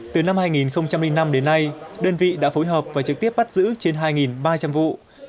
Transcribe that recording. từ năm hai nghìn năm đến nay đơn vị đã phối hợp và trực tiếp bắt giữ trên hai ba trăm linh vụ